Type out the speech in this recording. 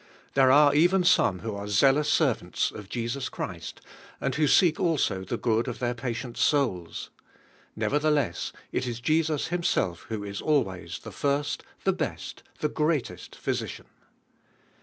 There are even some who are zealous ser vants of Jesus Christ, and who seek also t!he good of their patients' souls. Never theless it is Jesus Himself who is always the first, the best, the greatest Physician.